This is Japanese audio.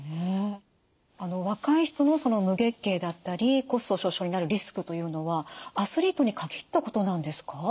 若い人の無月経だったり骨粗しょう症になるリスクというのはアスリートに限ったことなんですか？